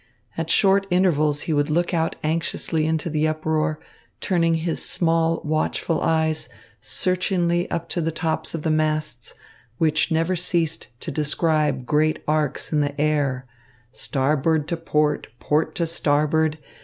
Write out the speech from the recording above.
At short intervals he would look out anxiously into the uproar, turning his small, watchful eyes searchingly up to the tops of the masts, which never ceased to describe great arcs in the air (starboard to port, port to starboard!)